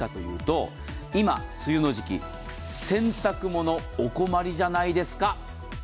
何かというと、今、梅雨の時期、洗濯物、お困りじゃないですか？